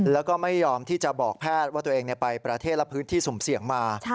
แล้วก็ไม่ยอมที่จะบอกแพทย์ว่าตัวเองไปประเทศและพื้นที่สุ่มเสี่ยงมา